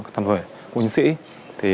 tâm hồn của nhân sĩ